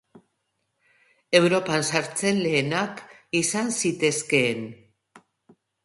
Europan sartzen lehenak izan zitezkeen.